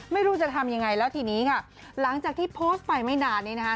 ไม่รู้จะทำยังไงแล้วทีนี้ค่ะหลังจากที่โพสต์ไปไม่นานนี้นะคะ